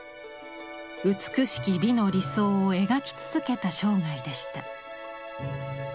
美しき美の理想を描き続けた生涯でした。